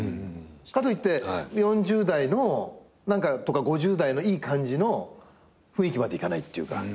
かといって４０代の何かとか５０代のいい感じの雰囲気までいかないっていうか。